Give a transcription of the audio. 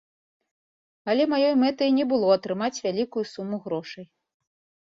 Але маёй мэтай і не было атрымаць вялікую суму грошай.